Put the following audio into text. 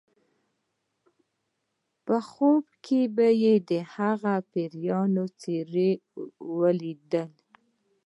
په خوب کې یې د هغه پیریان څیره ولیده